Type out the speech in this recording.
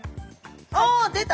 あ出た！